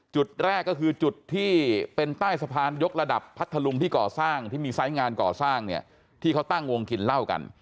จุดแรกก็คือจุดที่เป็นใต้สะพานยกระดับพัทธลุงที่ก่อสร้างที่มีไซส์งานก่อสร้างเนี่ยที่เขาตั้งวงกินเหล้ากัน